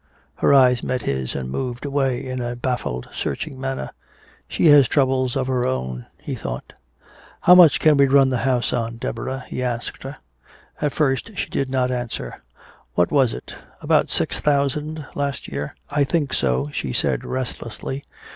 Her eyes met his and moved away in a baffled, searching manner. "She has troubles of her own," he thought. "How much can we run the house on, Deborah?" he asked her. At first she did not answer. "What was it about six thousand last year?" "I think so," she said restlessly.